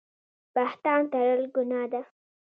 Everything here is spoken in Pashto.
بهتان تړل ګناه ده